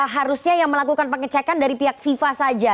harusnya yang melakukan pengecekan dari pihak fifa saja